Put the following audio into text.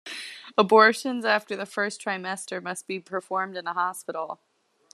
Abortions after the first trimester must be performed in a hospital.